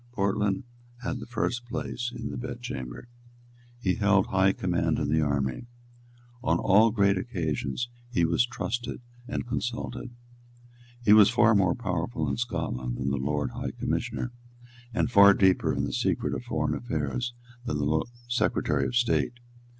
Portland had the first place in the bed chamber. He held high command in the army. On all great occasions he was trusted and consulted. He was far more powerful in Scotland than the Lord High Commissioner, and far deeper in the secret of foreign affairs than the Secretary of State.